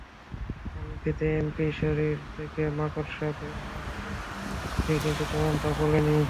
ফার্মেসীতে এমপির শরীর থেকে মাকড়সা বের হওয়ার আগে সে কিন্তু তেমনটা বলেনি!